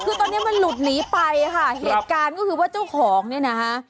คือตอนนี้มันหลบหนีไปค่ะเหตุการณ์ก็คือว่าเจ้าของเนี่ยนะคะ